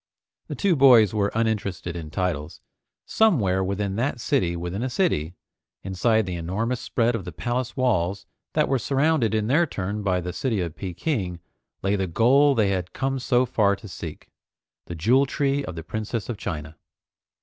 The two boys were uninterested in titles. Somewhere within that city within a city, inside the enormous spread of the palace walls that were surrounded in their turn by the city of Peking, lay the goal they had come so far to seek, the Jewel Tree of the Princess of China.